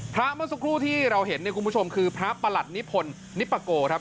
เมื่อสักครู่ที่เราเห็นเนี่ยคุณผู้ชมคือพระประหลัดนิพลนิปโกครับ